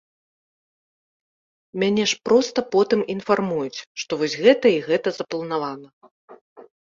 Мяне ж проста потым інфармуюць, што вось гэта і гэта запланавана.